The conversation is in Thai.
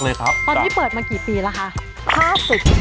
เจ็บเป็นเจ็บที่สอง